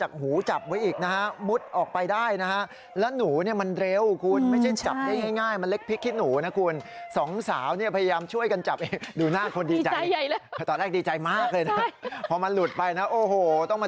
คุณขวัญคุณผู้ชมถ่ายซิว่าคลิปนี้